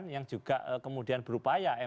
yang juga kemudian berupaya